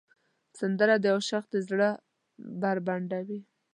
سندره د عاشق زړه بربنډوي